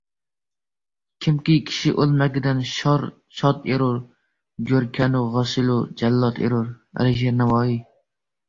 Kimki kishi o‘lmakidan shod erur, Go‘rkanu g‘osilu jallod erur. Alisher Navoiy